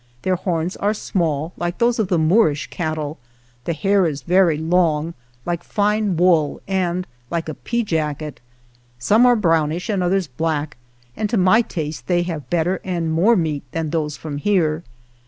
Their horns are small, like those of the Moorish cattle ; the hair is very long, like fine wool and like a peajacket ; some are brownish and others black, and to my taste they have better and more meat than those from here.